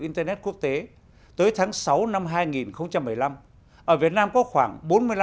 internet quốc tế tới tháng sáu năm hai nghìn một mươi năm ở việt nam có khoảng